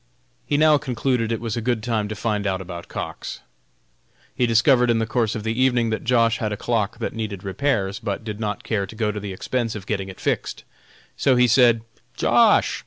He now concluded it was a good time to find out about Cox. He discovered in the course of the evening that Josh. had a clock that needed repairs but did not care to go to the expense of getting it fixed. So he said: "Josh.